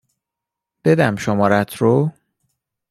بدم شمارهات رو؟